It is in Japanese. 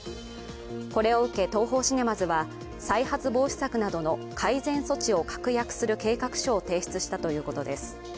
これを受けＴＯＨＯシネマズは再発防止策などの改善措置を確約する計画書を提出したということです。